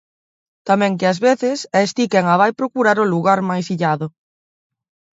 Tamén que ás veces es ti quen a vai procurar ao lugar máis illado.